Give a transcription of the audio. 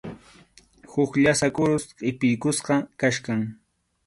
Huk llasa kurus qʼipiykusqa kachkan.